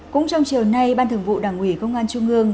cũng trong chiều nay ban thường vụ đảng ủy công an trung ương